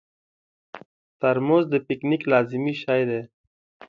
ترموز د پکنیک لازمي شی دی.